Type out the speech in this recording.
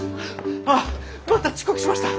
あっまた遅刻しました！